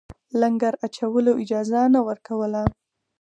لنګر اچولو اجازه نه ورکوله.